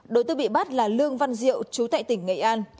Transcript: đối tượng bị bắt là lương văn diệu chú tại tỉnh nghệ an